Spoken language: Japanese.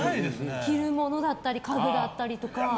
着るものだったり家具だったりとか。